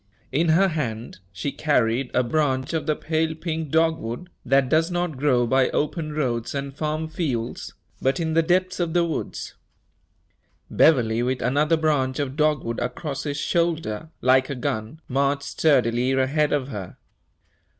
In her hand she carried a branch of the pale pink dogwood, that does not grow by open roads and farm fields, but in the depths of the woods. Beverley, with another branch of dogwood across his shoulder, like a gun, marched sturdily ahead of her.